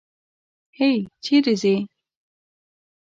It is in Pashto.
هی! چېرې ځې؟